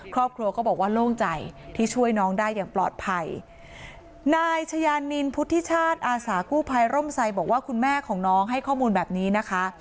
ครอบครัวก็บอกว่าโล่งใจที่ช่วยน้องได้อย่างปลอดภัยนายชายานินพุทธิชาติอาสากู้ภัยร่มไซบอกว่าคุณแม่ของน้องให้ข้อมูลแบบนี้นะคะ